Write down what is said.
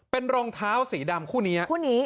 เป็นรองเท้าสีดำคู่นี้